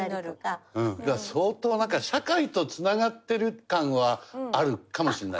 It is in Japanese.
相当なんか社会と繋がってる感はあるかもしれないですね。